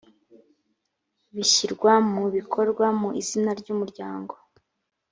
bishyirwa mu bikorwa mu izina ry’umuryango